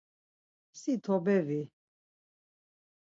Si tobe vi.